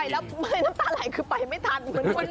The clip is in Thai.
น้ำตาไหลคือไปไม่ทัน